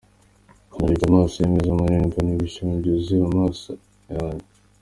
Narebye amaso ye meza manini mbona ibishashi byuzuye mu maso yanjye.